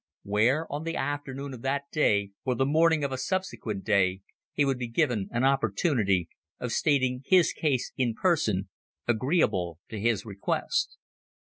where, on the afternoon of that day or the morning of a subsequent day, he would be given an opportunity of stating his case in person, "agreeable to his request."